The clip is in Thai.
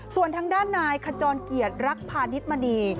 ส่วนทางด้านนายขจรเกียรติรักพาณิชมณี